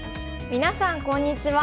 みなさんこんにちは。